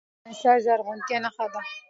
هرات د افغانستان د زرغونتیا نښه ده.